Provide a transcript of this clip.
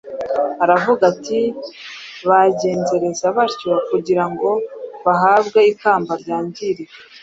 aravuga ati, “bagenzereza batyo kugira ngo bahabwe ikamba ryangirika,